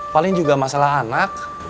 paling juga masalah anak